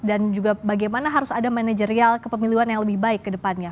dan juga bagaimana harus ada manajerial kepemiluan yang lebih baik ke depannya